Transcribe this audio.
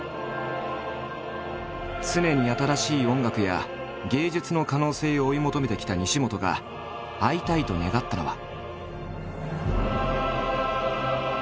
常に新しい音楽や芸術の可能性を追い求めてきた西本が会いたいと願ったのは。